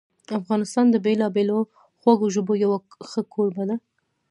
افغانستان د بېلابېلو خوږو ژبو یو ښه کوربه ده.